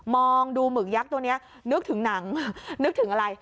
มองดูหมึกยักษ์ตัวนี้นึกถึงหนังนึกถึงอะไร